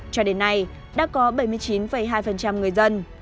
cho đến nay đã có bảy mươi chín hai người dân